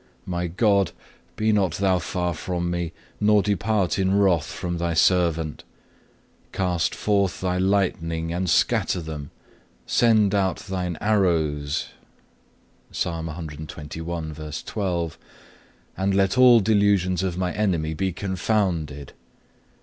My God, be not Thou far from me, nor depart in wrath from Thy servant. Cast forth Thy lightning and scatter them; send out Thine arrows,(1) and let all delusions of my enemy be confounded.